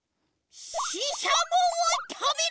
ししゃもをたべる！